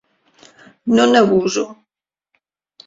No n'abuso.